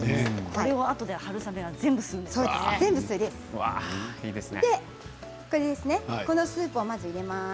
これを、あとで春雨が全部吸います。